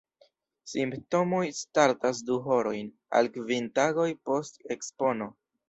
Simptomoj startas du horojn al kvin tagoj post ekspono.